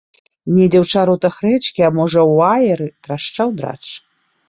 Недзе ў чаротах рэчкі, а можа, у аеры трашчаў драч.